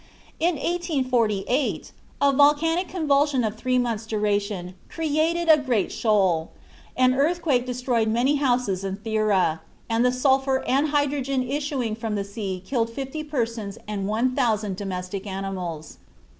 In 1848 a volcanic convulsion of three months' duration created a great shoal; an earthquake destroyed many houses in Thera, and the sulphur and hydrogen issuing from the sea killed 50 persons and 1000 domestic animals.